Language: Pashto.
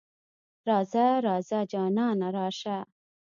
راځه ـ راځه جانانه راشه.